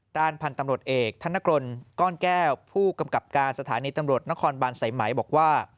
ด้านพันธุ์ตำรวจเอกธนกรก้อนแก้วผู้กำกับการสถานีตำรวจนครบานสายไหมบอกว่า